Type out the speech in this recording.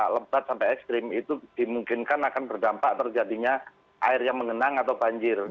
lebat sampai ekstrim itu dimungkinkan akan berdampak terjadinya air yang mengenang atau banjir